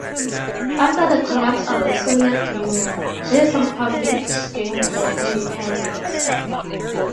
After the collapse of the Soviet Union, these republics gained their independence.